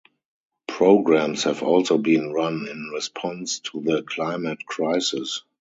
Programmes have also been run in response to the climate crisis.